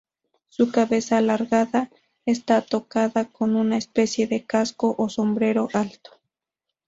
Su cabeza alargada está tocada con una especie de casco o sombrero alto.